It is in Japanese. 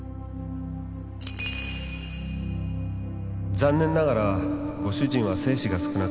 ・残念ながらご主人は精子が少なく